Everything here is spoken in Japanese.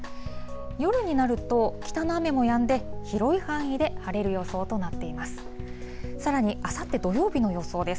夜になると、北の雨もやんで、広い範囲で晴れる予想となっています。